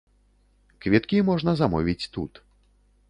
Квіткі можна замовіць тут.